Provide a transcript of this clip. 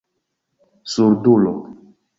surdulo